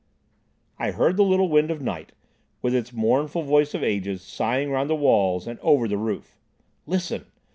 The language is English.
I heard the little wind of night, with its mournful voice of ages, sighing round the walls and over the roof. "Listen!"